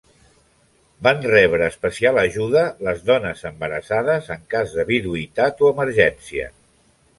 Van rebre especial ajuda les dones embarassades en cas de viduïtat o emergència.